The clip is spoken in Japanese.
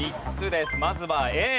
まずはＡ。